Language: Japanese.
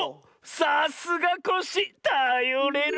さすがコッシーたよれる。